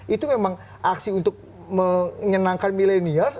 itu memang aksi untuk menyenangkan milenials